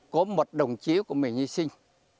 có một đồng chí của mình